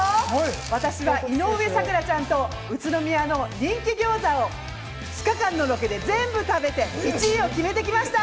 私は井上咲楽ちゃんと、宇都宮の人気餃子を２日間のロケで全部食べて１位を決めてきました。